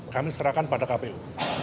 kami serahkan pada kpu